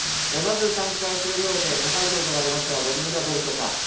まず３回目滑り終えて高い評価が出ましたがご自分ではどうでしょうか。